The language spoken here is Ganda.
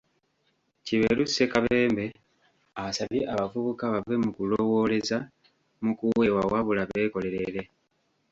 Kiberu Ssekabembe asabye abavubuka bave mu kulowooleza mu kuweebwa wabula beekolerere.